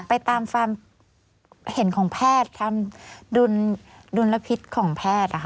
ไปตามฟาร์มเห็นของแพทย์ทำดุลพิษของแพทย์ค่ะ